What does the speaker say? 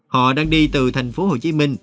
họ đang đi từ thành phố hồ chí minh